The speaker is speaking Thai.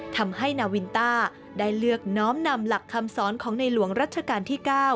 ทำให้นาวินต้าได้เลือกน้อมนำหลักคำสอนของในหลวงรัชกาลที่๙